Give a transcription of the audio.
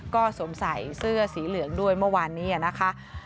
ก็สวมใส่เสื้อสีเหลืองด้วยเมื่อวานนี้นะคะ